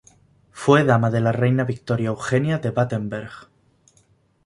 Fue Dama de la Reina Victoria Eugenia de Battenberg.